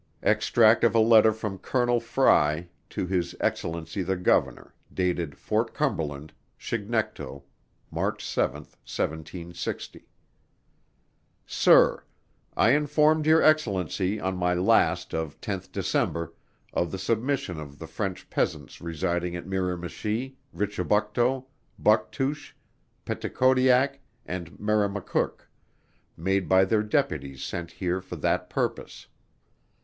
Extract of a Letter from Colonel Fry, to His Excellency the Governor, dated Fort Cumberland, Chignecto, March 7, 1760. SIR. I informed your Excellency in my last of 10th December, of the submission of the French peasants residing at Miramichi, Richibucto, Bucktouche, Peticodiac, and Memramcook, made by their deputies sent here for that purpose.